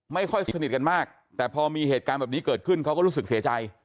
ไม่ค่อยสนิทกันมากแต่พอมีเหตุการณ์แบบนี้เกิดขึ้นเขาก็รู้สึกเสียใจ